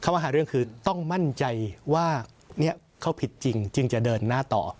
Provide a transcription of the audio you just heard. ว่าหาเรื่องคือต้องมั่นใจว่าเขาผิดจริงจึงจะเดินหน้าต่อ